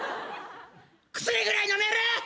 薬ぐらい飲める！